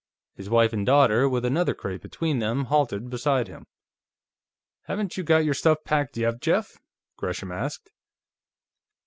His wife and daughter, with another crate between them, halted beside him. "Haven't you got your stuff packed yet, Jeff?" Gresham asked.